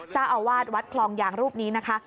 เจ้าอาวาสวัดคลองยางรูปนี้นะคะ